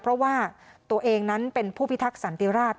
เพราะว่าตัวเองนั้นเป็นผู้พิทักษันติราช